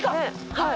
はい。